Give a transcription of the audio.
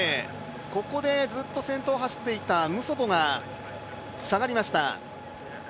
ここで、ずっと先頭を走っていたムソボが下がりました。